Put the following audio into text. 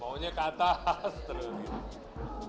maunya ke atas terus gitu